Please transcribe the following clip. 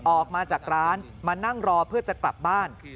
ออกมาจากร้านมานั่งรอเพื่อจะกลับบ้าน